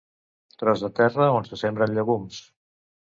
Tros de terra on se sembren llegums.